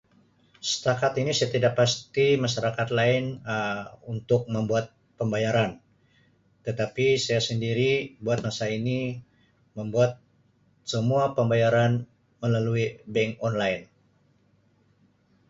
Setakat ini saya tidak pasti masyarakat lain Um untuk membuat pembayaran tetapi saya sendiri buat masa ini membuat semua pembayaran melalui bank online.